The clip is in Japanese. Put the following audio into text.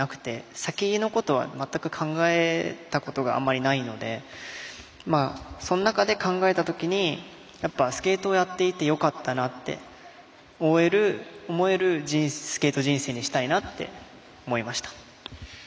先のことは全く考えたことがあんまりないのでその中で考えたときにスケートをやっていてよかったなって思えるスケート人生にしたいなって思いました。